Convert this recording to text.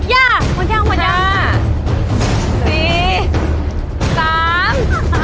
ย่ามันยากมันยาก